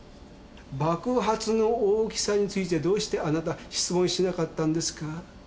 爆発の大きさについてどうしてあなた質問しなかったんですか？